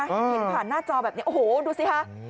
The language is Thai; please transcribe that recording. เห็นผ่านหน้าจอแบบนี้โอ้โหดูสิคะ